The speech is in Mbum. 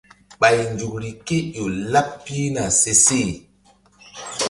Ɓay nzukri ké ƴo laɓ pihna seseh.